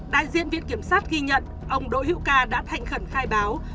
đại diện viên kiểm sát ghi nhận ông đội hữu ca đã thành khẩn khai báo